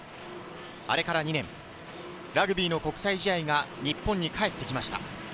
あれから２年、ラグビーの国際試合が日本に帰ってきました。